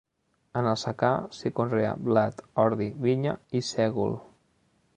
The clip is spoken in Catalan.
En el secà, s'hi conrea blat, ordi, vinya i sègol.